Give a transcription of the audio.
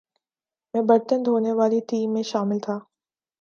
میں برتن دھونے والی ٹیم میں شامل تھا ۔